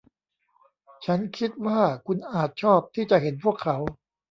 ฉันคิดว่าคุณอาจชอบที่จะเห็นพวกเขา